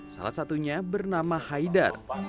salah satunya bernama haidar